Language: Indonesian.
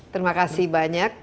terima kasih banyak